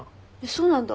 そうなんだ。